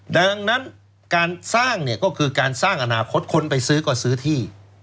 ดังนั้นการสร้างเนี่ยก็คือการสร้างอนาคตคนไปซื้อก็ซื้อที่